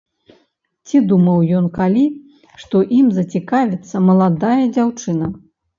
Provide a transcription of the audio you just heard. Ці думаў ён калі, што ім зацікавіцца маладая дзяўчына!